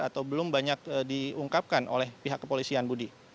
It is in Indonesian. atau belum banyak diungkapkan oleh pihak kepolisian budi